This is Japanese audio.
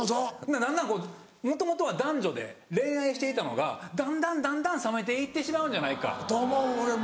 だんだんもともとは男女で恋愛していたのがだんだんだんだん冷めていってしまうんじゃないか。と思う俺も。